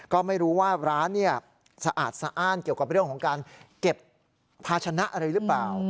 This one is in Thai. ก็ไม่รู้ว่าร้านสะอาดสะอ้านเกี่ยวกับเรื่องของการเก็บภาชนะอะไรหรือเปล่า